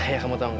ya kamu tau gak